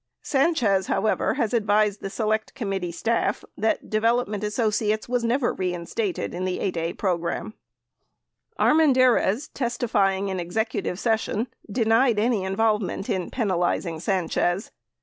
Sanchez, how ever, has advised the Select Committee staff that Development Asso ciates was never reinstated in the 8(a) program. Armendariz, testifying in executive session, denied any involvement in penalizing Sanchez.